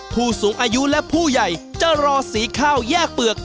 ผู้สูงอายุและผู้ใหญ่จะรอสีข้าวแยกเปลือก